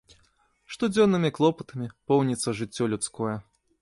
Штодзённымі клопатамі поўніцца жыццё людское.